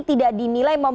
tidak dimilai membutuhkan